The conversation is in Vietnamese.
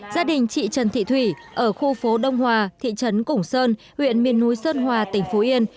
gia đình chị trần thị thủy ở khu phố đông hòa thị trấn củng sơn huyện miền núi sơn hòa tỉnh phú yên